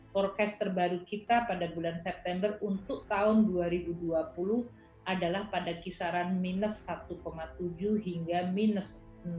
forecast terbaru kita pada bulan september untuk tahun dua ribu dua puluh adalah pada kisaran minus satu tujuh hingga minus enam